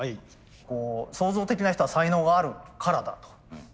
創造的な人は才能があるからだと。